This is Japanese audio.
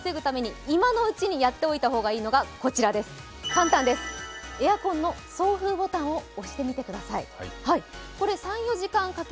で、これをなんとか防ぐために今のうちにやっておいた方がいいのが簡単です、エアコンの送風ボタンを押してみてください。